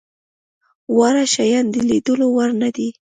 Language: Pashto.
واړه شيان د ليدلو وړ نه دي.